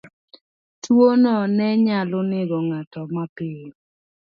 Tuwono ne nyalo nego ng'ato mapiyo.